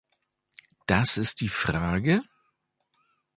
Das ist die Frage ?